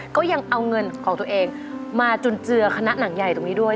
ก็ยังเอาเงินของตัวเองมาจุนเจือคณะหนังใหญ่ตรงนี้ด้วย